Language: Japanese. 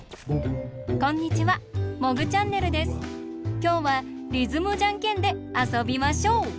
きょうはリズムじゃんけんであそびましょう！